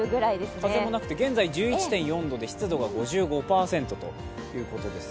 風もなくて現在１１．４度で湿度が５５％ということです。